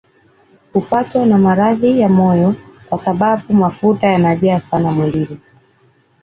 Hupatwa na maradhi ya moyo kwa sababu mafuta yanajaa sana mwilini